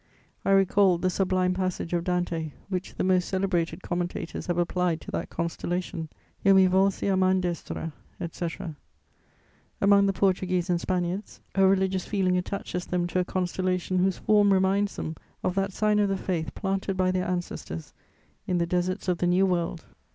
"I recalled the sublime passage of Dante, which the most celebrated commentators have applied to that constellation: "Io mi volsi a man destra, etc." "Among the Portuguese and Spaniards, a religious feeling attaches them to a constellation whose form reminds them of that sign of the faith planted by their ancestors in the deserts of the New World."